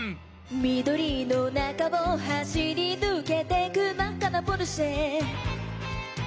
「緑の中を走り抜けてく真紅なポルシェ」